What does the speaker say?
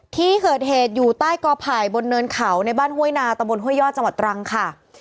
ที่เกิดเหตุอยู่ใต้กอไผ่บนเนินเขาในบ้านห้วยนาตะบนห้วยยอดจังหวัดตรังค่ะ